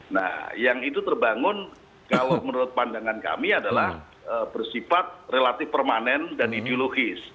nah yang itu terbangun kalau menurut pandangan kami adalah bersifat relatif permanen dan ideologis